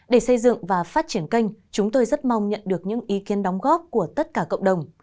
để xây dựng và phát triển kênh chúng tôi rất mong nhận được những ý kiến đóng góp của tất cả cộng đồng